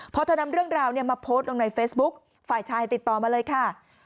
พอเธอนำเรื่องราวมาโพสต์ลงในเฟซบุ๊คฝ่ายชายติดต่อมาเลยค่ะ